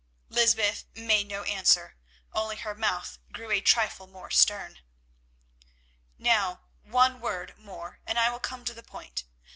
Lysbeth made no answer, only her mouth grew a trifle more stern. "Now, one word more, and I will come to the point.